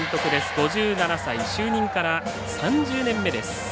５７歳、就任から３０年目です。